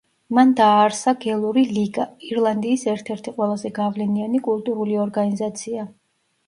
მან დააარსა გელური ლიგა, ირლანდიის ერთ-ერთი ყველაზე გავლენიანი კულტურული ორგანიზაცია.